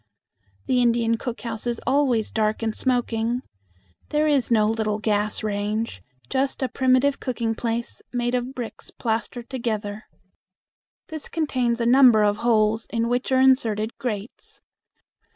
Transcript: The Indian cook house is always dark and smoky. There is no little gas range; just a primitive cooking place made of bricks plastered together. This contains a number of holes in which are inserted grates.